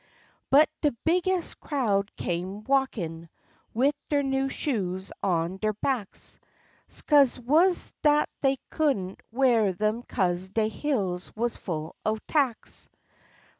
But de bigges' crowd come walkin', wid der new shoes on der backs; 'Scuse wuz dat dey couldn't weah em 'cause de heels wuz full o' tacks.